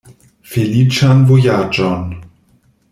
Feliĉan vojaĝon!